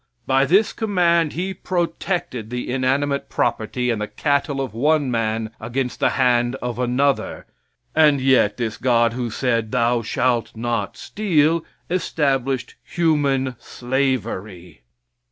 By this command He protected the inanimate property and the cattle of one man against the hand of another, and yet this God who said "Thou shalt not steal," established human slavery.